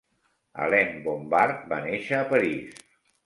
Alain Bombard va néixer a París.